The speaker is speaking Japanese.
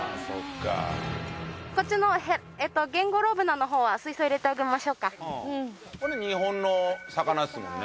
こっちのゲンゴロウブナの方は水槽入れてあげましょうかこれ日本の魚ですもんね？